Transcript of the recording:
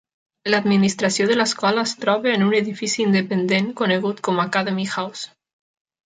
L'administració de l'escola es troba en un edifici independent conegut com Academy House.